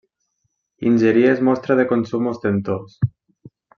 Ingerir és mostra de consum ostentós.